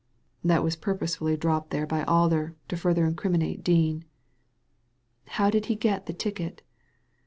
" That was purposely dropped there by Alder to further incriminate Dean." *' How did he get the ticket